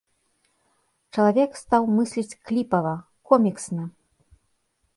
Чалавек стаў мысліць кліпава, коміксна.